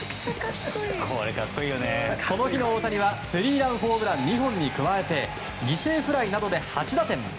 この日の大谷はスリーランホームラン２本に加えて犠牲フライなどで８打点。